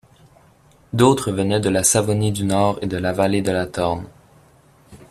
D’autres venaient de Savonie du Nord et de la vallée de la Torne.